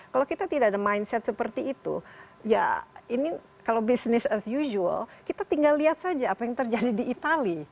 kalau kita tidak ada mindset seperti itu ya ini kalau business as usual kita tinggal lihat saja apa yang terjadi di itali